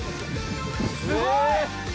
すごい！